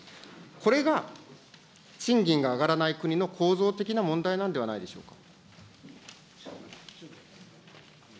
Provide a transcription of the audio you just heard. これが賃金が上がらない国の構造的な問題なんではないでしょうか。